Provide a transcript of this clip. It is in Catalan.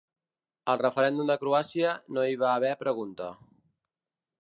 Al referèndum de Croàcia no hi va haver pregunta.